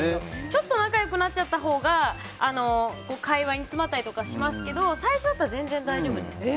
ちょっと仲良くなっちゃったほうが会話に詰まったりとかしますけど最初だと全然大丈夫です。